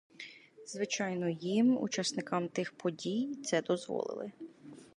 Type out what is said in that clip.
Звичайно, їм, учасникам тих подій, це дозволили.